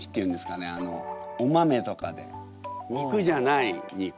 あのお豆とかで肉じゃない肉。